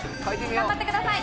頑張ってください。